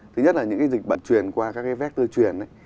thứ nhất là những dịch bệnh truyền qua các vector truyền